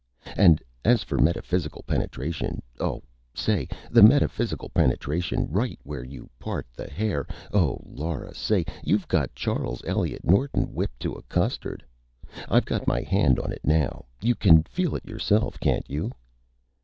And as for Metaphysical Penetration oh, Say, the Metaphysical Penetration, right where you part the Hair oh, Laura! Say, you've got Charles Eliot Norton whipped to a Custard. I've got my Hand on it now. You can feel it yourself, can't you?"